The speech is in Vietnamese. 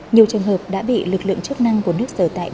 nhiều trường hợp đã bị lực lượng chức năng của nước sở tại